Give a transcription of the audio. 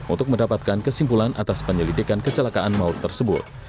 untuk mendapatkan kesimpulan atas penyelidikan kecelakaan maut tersebut